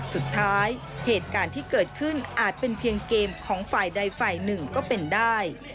เหตุการณ์ที่เกิดขึ้นอาจเป็นเพียงเกมของฝ่ายใดฝ่ายหนึ่งก็เป็นได้